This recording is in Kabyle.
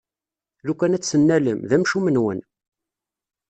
Lukan ad tt-tennalem, d amcum-nwen!